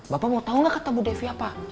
bapak mau tahu nggak kata bu devi apa